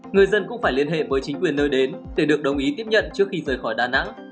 người dân cũng phải liên hệ với chính quyền nơi đến để được đồng ý tiếp nhận trước khi rời khỏi đà nẵng